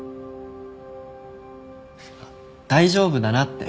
大丈夫だなって。